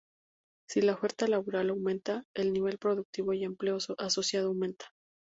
Si la oferta laboral aumenta, el nivel productivo y empleo asociado aumenta.